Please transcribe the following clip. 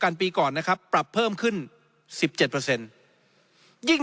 กันปีก่อนนะครับปรับเพิ่มขึ้นสิบเจ็ดเปอร์เซ็นต์ยิ่ง